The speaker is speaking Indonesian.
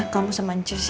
kamu sama ancis ya